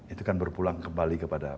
itu kan berpulang kembali kepada